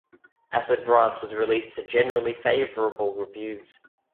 "Acid Brass" was released to generally favourable reviews.